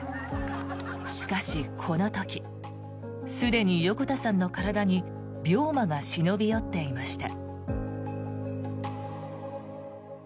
しかしこの時すでに横田さんの体に病魔が忍び寄っていました。